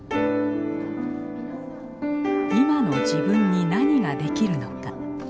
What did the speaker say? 今の自分に何ができるのか。